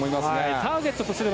ターゲットとすれば。